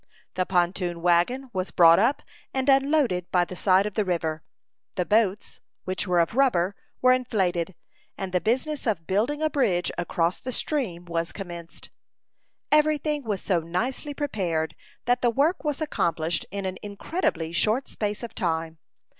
The pontoon wagon was brought up, and unloaded by the side of the river. The boats, which were of rubber, were inflated, and the business of building a bridge across the stream was commenced. Every thing was so nicely prepared that the work was accomplished in an incredibly short space of time.